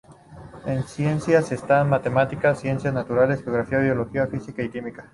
En ciencias están: matemáticas, ciencias naturales, geografía, biología, física y química.